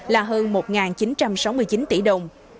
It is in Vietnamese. là hơn một chín trăm sáu mươi chín tỷ đồng